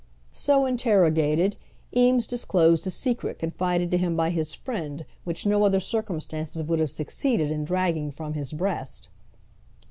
So interrogated, Eames disclosed a secret confided to him by his friend which no other circumstances would have succeeded in dragging from his breast.